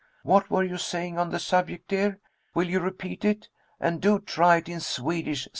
What were you saying on the subject, dear? Will you repeat it? And do try it in Swedish.